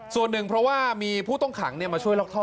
ส่วนหนึ่งเพราะว่ามีผู้ต้องขังมาช่วยล็อกท่อ